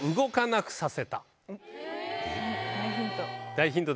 大ヒント。